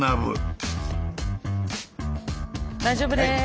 大丈夫です。